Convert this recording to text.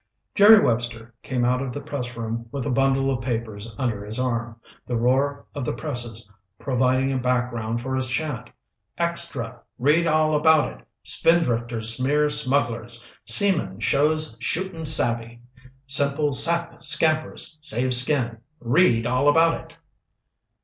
Jerry Webster came out of the pressroom with a bundle of papers under his arm, the roar of the presses providing a background for his chant. "Extra! Read All About It! Spindrifters Smear Smugglers! Seaman Shows Shootin' Savvy! Simple Sap Scampers, Saves Skin! Read All About It!"